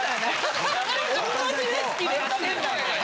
同じレシピでやってんだから！